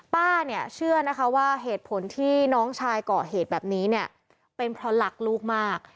ป้าเนี่ยเชื่อนะคะว่าเหตุผลที่น้องชายก่อเหตุแบบนี้เนี่ยเป็นเพราะรักลูกมาก